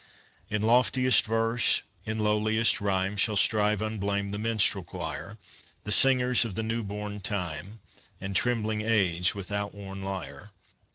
In loftiest verse, in lowliest rhyme, Shall strive unblamed the minstrel choir, The singers of the new born time, And trembling age with outworn lyre.